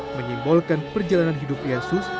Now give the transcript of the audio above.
menyimbolkan perjalanan hidup yesus